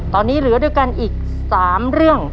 ตอนนี้เหลือด้วยกันอีก๓เรื่อง